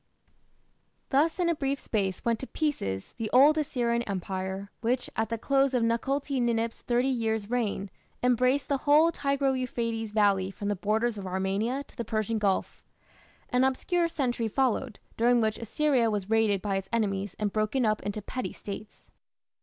Thus in a brief space went to pieces the old Assyrian Empire, which, at the close of Tukulti Ninip's thirty years' reign, embraced the whole Tigro Euphrates valley from the borders of Armenia to the Persian Gulf. An obscure century followed, during which Assyria was raided by its enemies and broken up into petty States.